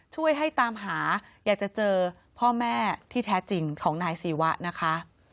ช่วยให้ตามหาอยากจะเจอพ่อแม่ที่แท้จริงของนายศีวะนะคะ